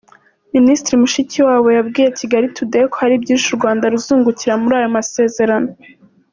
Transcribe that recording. Minisitiri Mushikiwabo yabwiye Kigali Today ko hari byinshi u Rwanda ruzungukira muri ayo amasezerano.